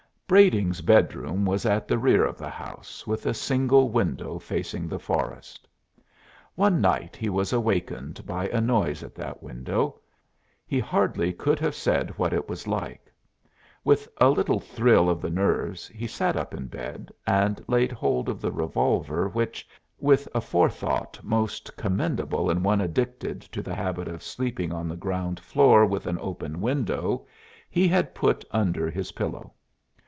Brading's bedroom was at the rear of the house, with a single window facing the forest. One night he was awakened by a noise at that window; he could hardly have said what it was like. With a little thrill of the nerves he sat up in bed and laid hold of the revolver which, with a forethought most commendable in one addicted to the habit of sleeping on the ground floor with an open window, he had put under his pillow.